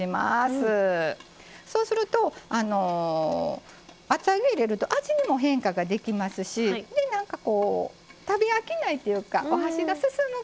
そうすると厚揚げ入れると味にも変化ができますし食べ飽きないっていうかお箸が進む感じになるんですね。